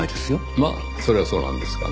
まあそれはそうなんですがね。